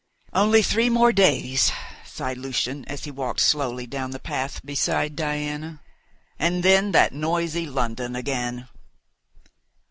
"Only three more days," sighed Lucian as he walked slowly down the path beside Diana, "and then that noisy London again."